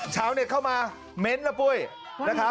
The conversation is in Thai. ชาวเน็ตเข้ามาเม้นต์แล้วปุ้ยนะครับ